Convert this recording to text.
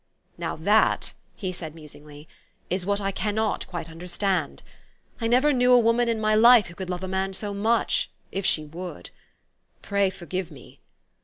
" Now that," he said musingly, " is what I can not quite understand. I never knew a woman in my life who could love a man so much if she would. Pray forgive me